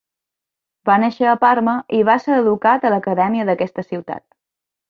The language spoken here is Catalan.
Va néixer a Parma i va ser educat a l'Acadèmia d'aquesta ciutat.